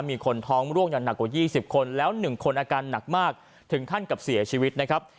มีคนท้องร่วงอย่างหนักกว่า๒๐คนแล้ว๑คนอาการหนักมากถึงขั้นกับเสียชีวิตนะครับ